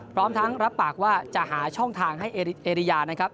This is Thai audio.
พร้อมทั้งรับปากว่าจะหาช่องทางให้เอริยานะครับ